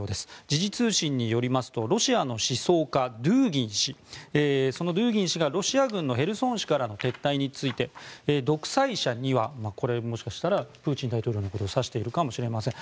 時事通信によりますとロシアの思想家、ドゥーギン氏そのドゥーギン氏がロシア軍のヘルソン市からの撤退について独裁者にはこれはもしかしたらプーチン大統領のことを指しているかもしれません。